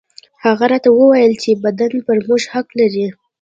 هغه راته وويل چې بدن پر موږ حق لري.